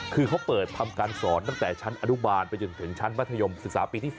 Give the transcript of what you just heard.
คือเขาเปิดทำการสอนตั้งแต่ชั้นอนุบาลไปจนถึงชั้นมัธยมศึกษาปีที่๓